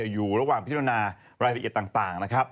อยู่ระหว่างพิจารณารายละเอียดต่างนะครับ